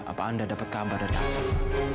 apa anda dapat kabar dari hasil